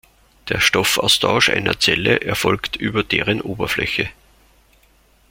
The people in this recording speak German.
Der Stoffaustausch einer Zelle erfolgt über deren Oberfläche.